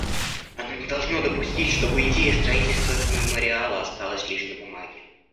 Оно не должно допустить, чтобы идея строительства этого мемориала осталась лишь на бумаге.